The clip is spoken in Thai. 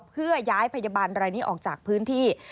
เพื่อย้ายพยาบาลอากจากพื้นที่